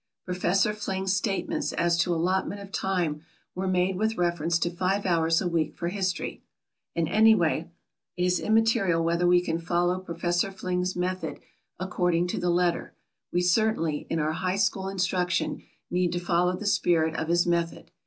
Professor Fling's statements as to allotment of time were made with reference to five hours a week for history. And, anyway, it is immaterial whether we can follow Professor Fling's method according to the letter; we certainly, in our high school instruction, need to follow the spirit of his method.